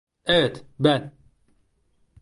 Evet, ben...